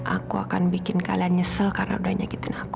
aku akan bikin kalian nyesel karena udah nyakitin aku